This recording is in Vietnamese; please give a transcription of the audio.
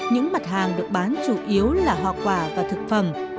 những mặt hàng được bán chủ yếu là hoa quả và thực phẩm